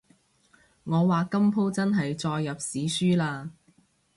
我話今舖真係載入史書喇